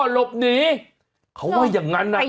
หลบหนีเขาว่าอย่างนั้นนะ